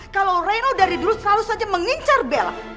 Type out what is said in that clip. kalau reno dari dulu selalu saja mengincar bel